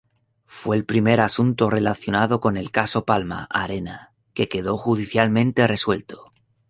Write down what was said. Fue el primer asunto relacionado con el caso Palma Arena que quedó judicialmente resuelto.